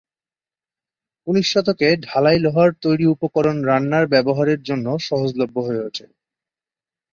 উনিশ শতকে ঢালাই লোহার তৈরি উপকরণ রান্নার ব্যবহারের জন্য সহজলভ্য হয়ে উঠে।